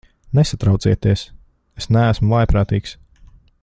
Nesatraucieties, es neesmu vājprātīgs.